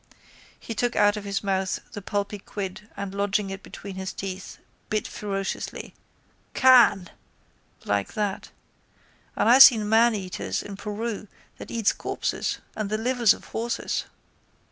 He took out of his mouth the pulpy quid and, lodging it between his teeth, bit ferociously: —Khaan! Like that. And I seen maneaters in Peru that eats corpses and the livers of horses.